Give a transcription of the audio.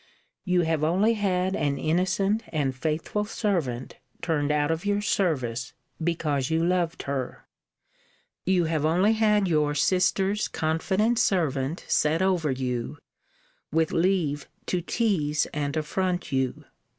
You have only had an innocent and faithful servant turned out of your service, because you loved her! You have only had your sister's confident servant set over you, with leave to tease and affront you